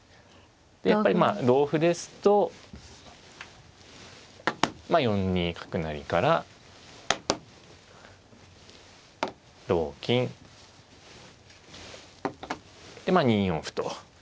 やっぱり同歩ですと４ニ角成から同金２四歩と。